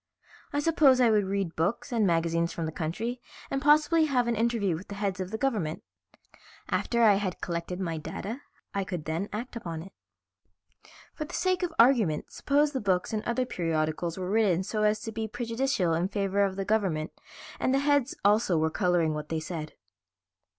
"I suppose I would read books and magazines from the country and possibly have an interview with the heads of the government. After I had collected my data I could then act upon it." "For the sake of argument suppose the books and other periodicals were written so as to be prejudicial in favor of the government, and the heads also were coloring what they said."